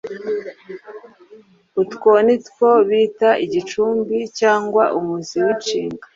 Utwo ni two bita igicumbi cyangwa umuzi w’inshinga.